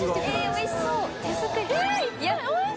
おいしそう！